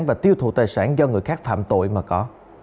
và tiêu thụ tài sản do người khác phạm tội mà có